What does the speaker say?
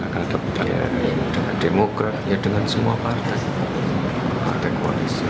dengan demokrat ya dengan semua partai